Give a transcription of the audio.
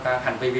làm nhiệm vụ